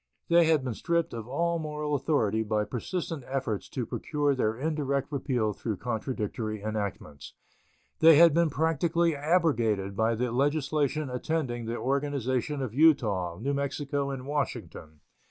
They had been stripped of all moral authority by persistent efforts to procure their indirect repeal through contradictory enactments. They had been practically abrogated by the legislation attending the organization of Utah, New Mexico, and Washington.